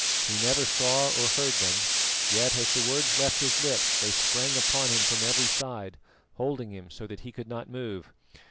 He never saw or heard them, yet, as the words left his lips, they sprang upon him from every side, holding him so that he could not move.